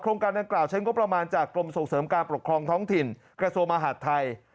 การดังกล่าวใช้งบประมาณจากกรมส่งเสริมการปกครองท้องถิ่นกระทรวงมหาดไทย